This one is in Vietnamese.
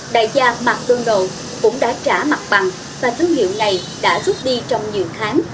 đại gia mcdonald s cũng đã trả mặt bằng và thương hiệu này đã rút đi trong nhiều tháng